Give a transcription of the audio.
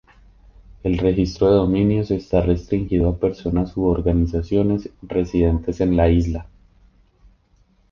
El registro de dominios está restringido a personas u organizaciones residentes en la isla.